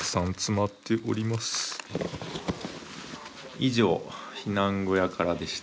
以上避難小屋からでした。